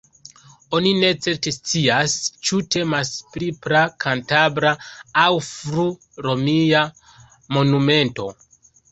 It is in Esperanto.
Oni ne certe scias, ĉu temas pri pra-kantabra aŭ fru-romia monumento.